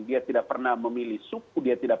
dia tidak pernah memilih suku dia tidak